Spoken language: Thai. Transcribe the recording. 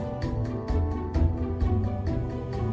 ไม่ว่าค่ะก็คิดเราก็มีเหตุกลุง